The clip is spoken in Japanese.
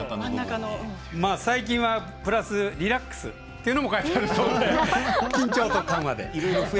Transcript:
最近はプラス「リラックス」というのも書いてあるそうで。